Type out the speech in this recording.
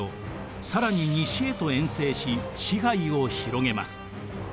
更に西へと遠征し支配を広げます。